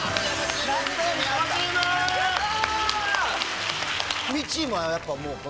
やった！